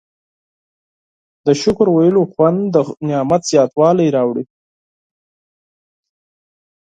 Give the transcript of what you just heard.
د شکر ویلو خوند د نعمت زیاتوالی راوړي.